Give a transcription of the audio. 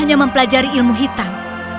hanya mempelajari ilmu hitam